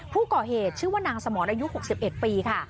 ผู้ก่อเหตุชื่อว่านางสมรอายุ๖๑ปีค่ะ